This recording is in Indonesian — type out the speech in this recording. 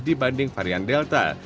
dibanding varian delta